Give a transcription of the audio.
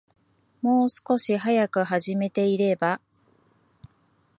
もう少し早く始めていれば